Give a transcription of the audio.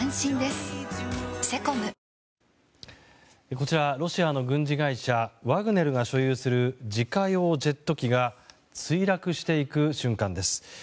こちら、ロシアの軍事会社ワグネルが所有する自家用ジェット機が墜落していく瞬間です。